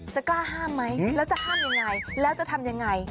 จะกล้าห้ามไหมแล้วจะห้ามอย่างไรแล้วจะทำอย่างไร